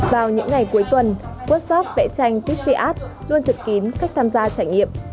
vào những ngày cuối tuần workshop vẽ tranh tipsyart luôn trật kín cách tham gia trải nghiệm